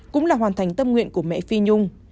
cũng là hoàn thành tâm nguyện của mẹ phi nhung